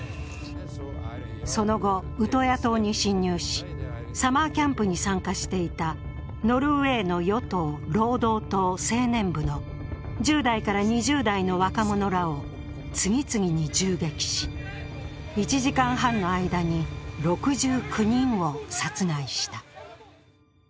その後、ウトヤ島に侵入し、サマーキャンプに参加していたノルウェーの与党・労働党青年部の１０代から２０代の若者らを次々に銃撃し、１時間半の間に６９人を殺害した。